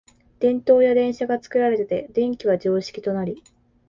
電燈や電車が作られて電気は常識となり、